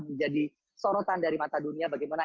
menjadi sorotan dari mata dunia bagaimana